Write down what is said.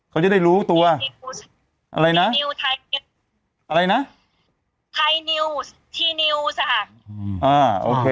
เขาจะได้รู้ตัวอะไรนะอะไรนะไทยนิวส์ทีนิวส์อ่ะอ่าโอเค